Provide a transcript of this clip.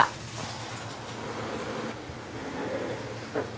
tuh kan ini dia